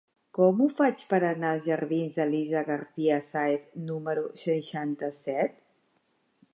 Com ho faig per anar als jardins d'Elisa García Sáez número seixanta-set?